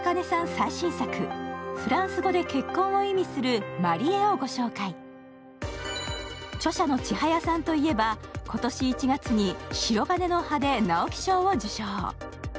最新作、フランス語で結婚を意味する「マリエ」をご紹介著者の千早さんといえば、今年１月に「しろがねの葉」で直木賞を受賞。